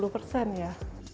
dua puluh persen ya